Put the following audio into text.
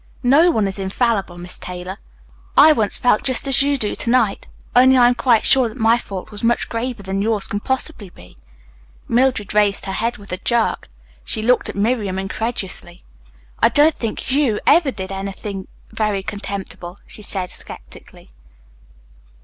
"No one is infallible, Miss Taylor. I once felt just as you do to night. Only I am quite sure that my fault was much graver than yours can possibly be." Mildred raised her head with a jerk. She looked at Miriam incredulously. "I don't think you ever did anything very contemptible," she said sceptically.